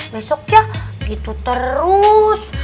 besok ya gitu terus